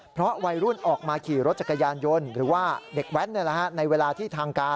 เพราะวัยรุ่นออกมาขี่รถจักรยานยนต์หรือว่าเด็กแว้นในเวลาที่ทางการ